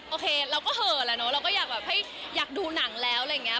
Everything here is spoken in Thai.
โอเคเราก็เหอะแหละเนาะเราก็อยากดูหนังแล้วอะไรอย่างนี้